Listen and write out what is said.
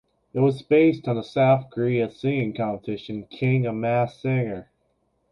It was based on the South Korea singing competition King of Mask Singer.